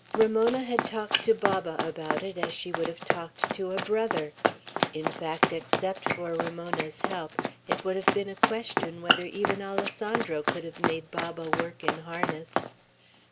Ramona had talked to Baba about it as she would have talked to a brother. In fact, except for Ramona's help, it would have been a question whether even Alessandro could have made Baba work in harness.